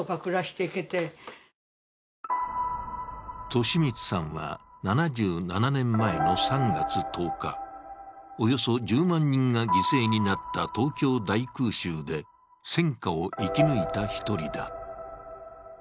利光さんは７７年前の３月１０日、およそ１０万人が犠牲になった東京大空襲で戦禍を生き抜いた一人だ。